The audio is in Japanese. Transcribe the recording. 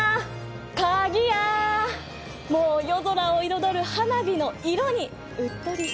もう夜空を彩る花火の色にうっとりしちゃう。